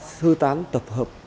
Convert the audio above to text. sơ tán tập hợp